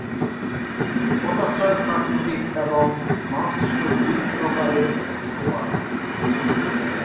পোতাশ্রয় প্রাকৃতিক এবং মানবসৃষ্ট দুই প্রকারের হতে পারে।